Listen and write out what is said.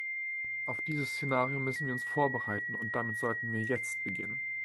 Auf dieses Szenario müssen wir uns vorbereiten, und damit sollten wir jetzt beginnen.